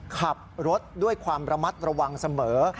ขับรถด้วยความระมัดระวังเสมอ